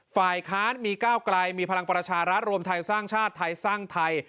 ฝ่ายค้านมีก้าวไกลมีพลังประชารัฐรวมไทยสร้างชาติไทยสร้างไทย